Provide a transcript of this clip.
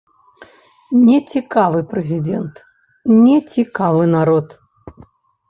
Нецікавы прэзідэнт, нецікавы народ.